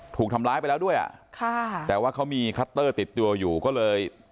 ถูกทำร้ายไปแล้วด้วยอ่ะค่ะแต่ว่าเขามีคัตเตอร์ติดตัวอยู่ก็เลย